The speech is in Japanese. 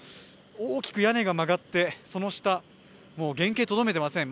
大きく屋根が曲がってその下、原形とどめてません。